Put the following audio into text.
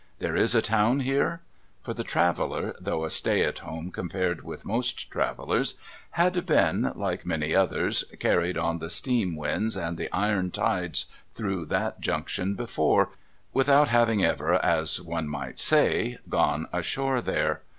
There is a town here ?' For the traveller (though a stay at home compared with most travellers) had been, like many others, carried on the steam winds and the iron tides through that Junction before, without having ever, as one might say, gone ashore there.